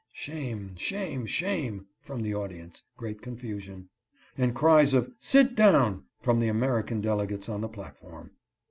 ['Shame! shame! shame!' from the audience, great confusion, and cries of ' Sit down ' from the American delegates on the platform.